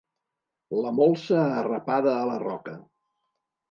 La molsa arrapada a la roca.